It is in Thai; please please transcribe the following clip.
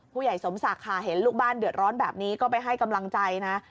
ผู้ใหญ่สมศักดิ์ค่ะเห็นลูกบ้านเดือดร้อนแบบนี้ก็ไปให้กำลังใจนะ